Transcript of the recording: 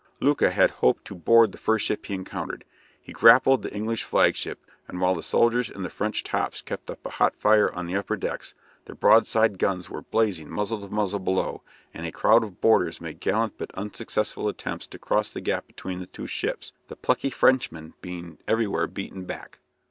Lucas had hoped to board the first ship he encountered. He grappled the English flagship, and while the soldiers in the French tops kept up a hot fire on the upper decks, the broadside guns were blazing muzzle to muzzle below, and a crowd of boarders made gallant but unsuccessful attempts to cross the gap between the two ships, the plucky Frenchmen being everywhere beaten back.